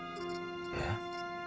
えっ？